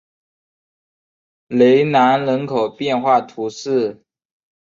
雷南人口变化图示